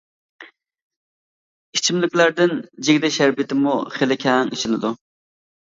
ئىچىملىكلەردىن جىگدە شەربىتىمۇ خېلى كەڭ ئىچىلىدۇ.